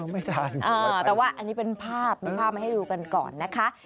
ไม่ทันแต่ว่าอันนี้เป็นภาพเป็นภาพมาให้ดูกันก่อนนะคะ